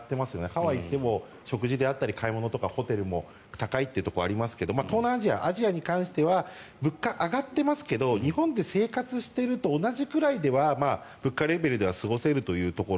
ハワイに行っても食事とか買い物とかホテルも高いってところがありますが東南アジア、アジアに関しては物価、上がっていますけど日本で生活していると同じくらいの物価レベルでは過ごせるというところ。